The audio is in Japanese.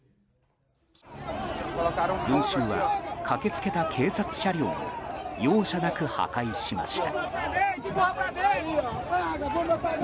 群衆は、駆け付けた警察車両も容赦なく破壊しました。